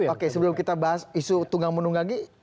oke sebelum kita bahas isu tunggang menunggangi